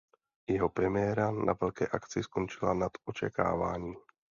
Jeho premiéra na velké akci skončila nad očekávání.